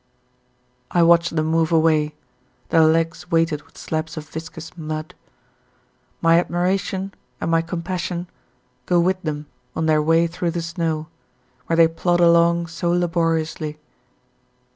I watch them move away, their legs weighted with slabs of viscous mud. My admiration and my compassion go with them on their way through the snow, where they plod along so laboriously.